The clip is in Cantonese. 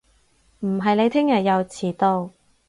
唔係你聽日又遲到